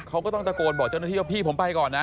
เขาก็ต้องตะโกนบอกเจ้าหน้าที่ว่าพี่ผมไปก่อนนะ